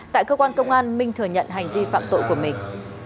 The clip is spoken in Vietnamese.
tại cơ quan công an minh thừa nhận hành vi phạm tội của mình